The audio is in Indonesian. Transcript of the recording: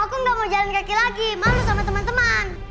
aku nggak mau jalan kaki lagi malu sama teman teman